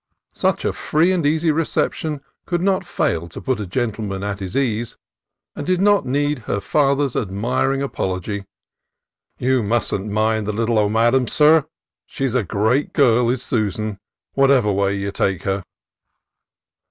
Such a free and easy recep tion could not fail to put a gentleman at his ease, and did not need her father's admiring apology, "You must n't mind the little omadhaun, surr. She 's a great gurrl, is Soosan, whativerr way you take herr."